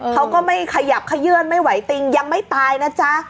เขาก็ไม่ขยับขยื่นไม่ไหวติงยังไม่ตายนะจ๊ะ